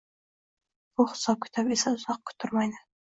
Bu hisob-kitob esa uzoq kuttirmaydi